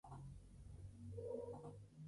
Rodrigo Núñez M. en La Nación Domingo.